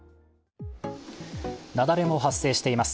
雪崩も発生しています。